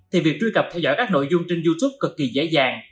thì việc truy cập theo dõi các nội dung trên youtube cực kỳ dễ dàng